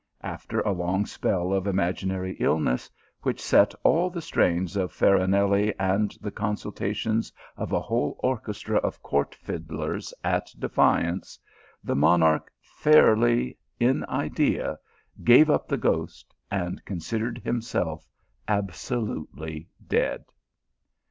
After a long spell of imaginary illness, which set all the strains of Farinelli, and the consult;,, ens of a whole orchestra of court fiddlers, at defiance, the monarch fairly, in idea, gave up the ghost, and considered himself absolutely dead.